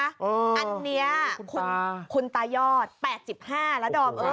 อันนี้คุณตายอด๘๕แล้วดอม